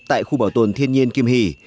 tại khu bảo tồn thiên nhiên kiêm hỷ